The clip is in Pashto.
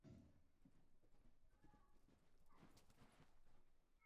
دا بوټان کوچني دي